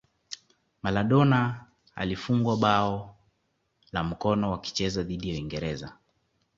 Maladona alifungwa bao la mkono wakicheza dhidi ya uingereza